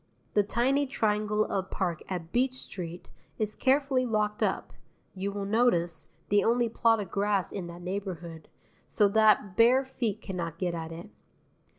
The tiny triangle of park at Beach Street is carefully locked up, you will notice the only plot of grass in that neighbourhood so that bare feet cannot get at it.